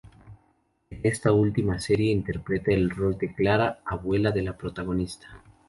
En esta última serie interpreta el rol de Clara, abuela de la protagonista.